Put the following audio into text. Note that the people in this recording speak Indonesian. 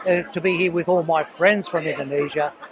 untuk berada disini dengan semua teman teman dari indonesia